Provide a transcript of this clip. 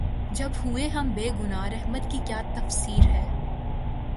جب ہوئے ہم بے گنہ‘ رحمت کی کیا تفصیر ہے؟